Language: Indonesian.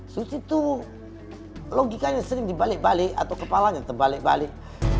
suci itu logikanya sering dibalik balik atau kepalanya terbalik balik